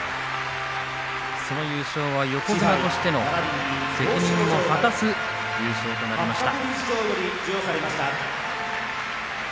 その優勝は横綱として責任を果たす優勝となりました。